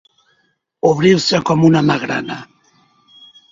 Obrir-se com una magrana.